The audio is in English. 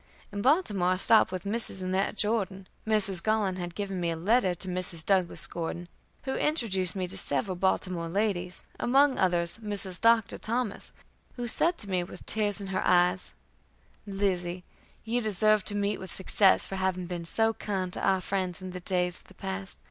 In Baltimore I stopped with Mrs. Annette Jordan. Mrs. Garland had given me a letter to Mrs. Douglas Gordon, who introduced me to several Baltimore ladies, among others Mrs. Doctor Thomas, who said to me, with tears in her eyes: "Lizzie, you deserve to meet with success for having been so kind to our friends in the days of the past.